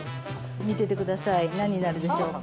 見ててください何になるでしょうか？